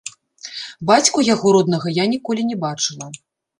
Бацьку яго роднага я ніколі не бачыла.